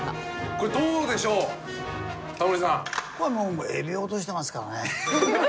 これはもうエビ落としてますからね。